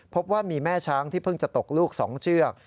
พบว่ามีแม่ช้างที่เพิ่งจะตกลูก๒เชือก